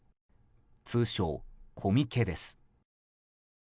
通称コミケです。